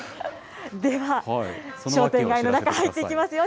では、商店街の中、入っていきますよ。